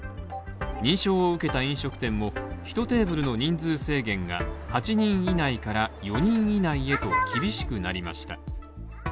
認証を受けた飲食店も１テーブルの人数制限が８人以内から４人以内へと厳しくなりました。